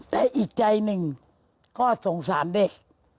แต่อีกใจหนึ่งก็สงสารเด็ก